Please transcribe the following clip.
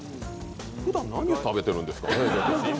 ふだん何を食べてるんですかね